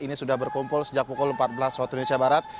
ini sudah berkumpul sejak pukul empat belas waktu indonesia barat